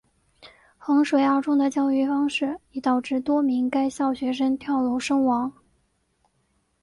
衡水二中的教育方式已导致多名该校学生跳楼身亡。